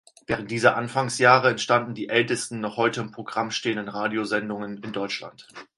Während dieser Anfangsjahre entstanden die ältesten noch heute im Programm stehenden Radiosendungen in Deutschland.